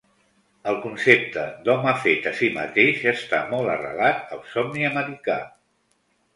El concepte d'home fet a si mateix està molt arrelat al somni americà.